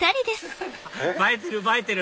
映えてる映えてる！